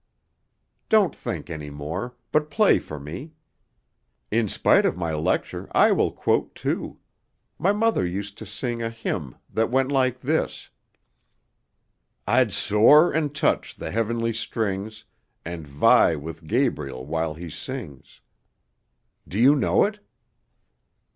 Don't think any more, but play for me. In spite of my lecture, I will quote too; my mother used to sing a hymn that went like this, 'I'd soar and touch the heavenly strings, And vie with Gabriel while he sings,' Do you know it?"